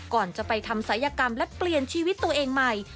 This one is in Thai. ก่อนจะไปทำศัยกรรมและเปลี่ยนชีวิตตัวเองใหม่